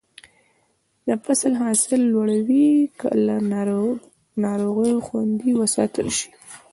د فصل حاصل لوړوي که له ناروغیو خوندي وساتل شي.